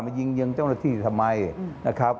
มันยิงเงิงเจ้าหน้าที่ทำไม